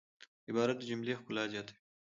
عبارت د جملې ښکلا زیاتوي.